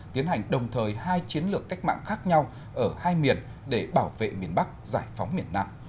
tiến hành đồng thời hai chiến lược cách mạng khác nhau ở hai miền để bảo vệ miền bắc giải phóng miền nam